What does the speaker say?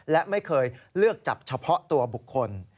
และไม่เคยเลือกจับเฉพาะตัวบุคคล